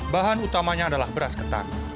bahan utamanya adalah beras ketan